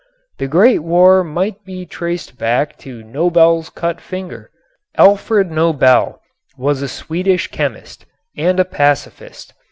The great war might be traced back to Nobel's cut finger. Alfred Nobel was a Swedish chemist and a pacifist.